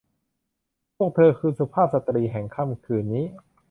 พวกเธอคือสุภาพสตรีแห่งค่ำคืนนี้